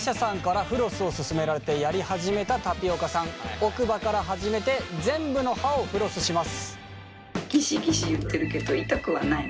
奥歯から始めて全部の歯をフロスします。